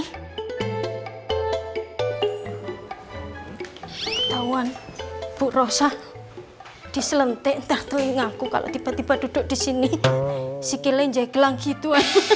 ketahuan bu rossa diselentik tertulis ngaku kalau tiba tiba duduk di sini sikilnya gelang gitu